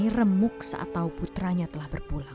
remuk saat tahu putranya telah berpulang